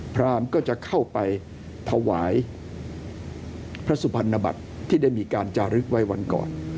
พรามก็จะเข้าไปถวายพระสุพรรณบัตรที่ได้มีการจารึกไว้วันก่อน